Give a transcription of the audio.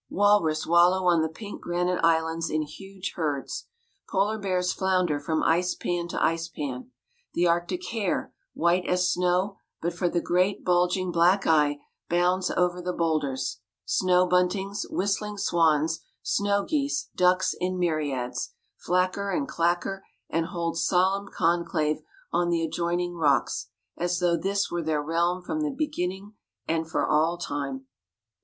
Walrus wallow on the pink granite islands in huge herds. Polar bears flounder from icepan to icepan. The arctic hare, white as snow but for the great bulging black eye, bounds over the boulders. Snow buntings, whistling swans, snow geese, ducks in myriads flacker and clacker and hold solemn conclave on the adjoining rocks, as though this were their realm from the beginning and for all time.